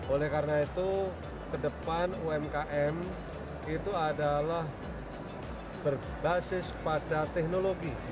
oleh karena itu ke depan umkm itu adalah berbasis pada teknologi